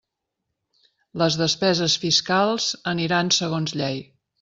Les despeses fiscals aniran segons llei.